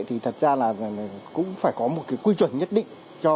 thì thật ra là cũng phải có một quy truẩn nhất định